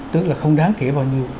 tức là không đáng kể bao nhiêu